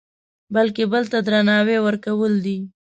بلکې بل ته درناوی ورکول دي.